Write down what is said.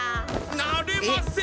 なれません！